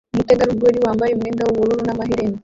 Umutegarugori wambaye umwenda w'ubururu n'amaherena